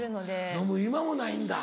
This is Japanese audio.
飲む暇もないんだ。